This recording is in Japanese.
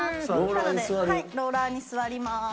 なのでローラーに座ります。